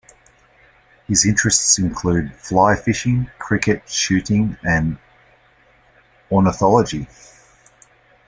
His interests include fly fishing, cricket, shooting and ornithology.